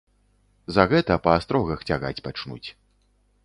За гэта па астрогах цягаць пачнуць.